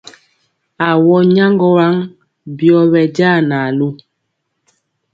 Awɔ nyaŋgɔ waŋ byɔ ɓɛ ja naalu.